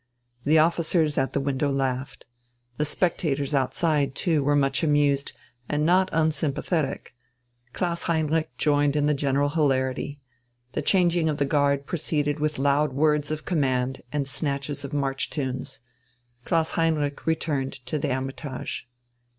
The officers at the window laughed. The spectators outside, too, were much amused, and not unsympathetic. Klaus Heinrich joined in the general hilarity. The changing of the guard proceeded with loud words of command and snatches of march tunes. Klaus Heinrich returned to the "Hermitage."